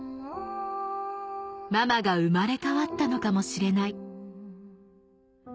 「ママが生まれ変わったのかもしれない」